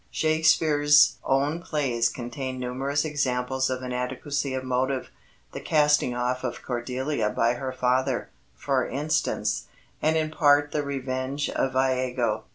Shakespeare's own plays contain numerous examples of inadequacy of motive the casting off of Cordelia by her father, for instance, and in part the revenge of Iago.